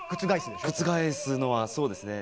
覆すのはそうですね。